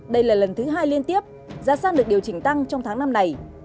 đây là lần thứ hai liên tiếp giá xăng được điều chỉnh tăng trong tháng năm này